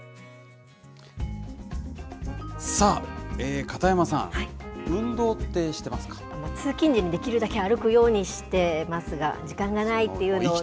さあ、片山さん、運動ってし通勤時にできるだけ歩くようにしてますが、時間がないっていうのをね。